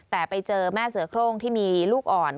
แต่ไปเจอแม่เสือโครงที่มีลูกอ่อน